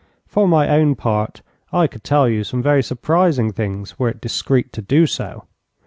For my own part, I could tell you some very surprising things were it discreet to do so.